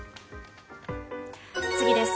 次です。